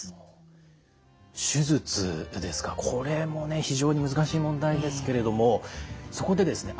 手術ですかこれもね非常に難しい問題ですけれどもそこでですね